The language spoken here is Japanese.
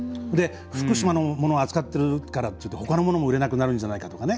福島のものを扱ってるからほかのものも売れなくなるんじゃないかとかね。